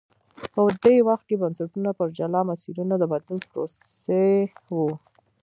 په دې وخت کې بنسټونه پر جلا مسیرونو د بدلون پروسې ووه.